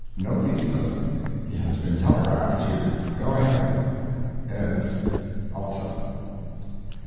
—[No veto. He has been telegraphed to "go ahead." EDS. ALTA.